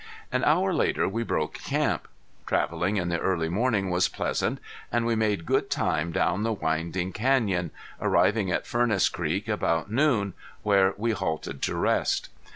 An hour later we broke camp. Traveling in the early morning was pleasant and we made good time down the winding canyon, arriving at Furnace Creek about noon, where we halted to rest.